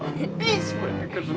oh begini ya om